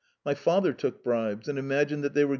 My father took bribes, and imagined they were